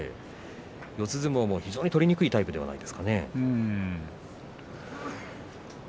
四つ相撲も非常に取りにくいタイプではないですか？